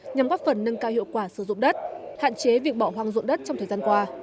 nhằm góp phần nâng cao hiệu quả sử dụng đất hạn chế việc bỏ hoang dụng đất trong thời gian qua